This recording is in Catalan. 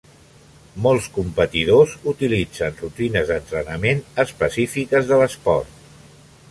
Molts competidors utilitzen rutines d'entrenament específiques de l'esport.